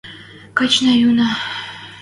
– Качна, йӱнӓ.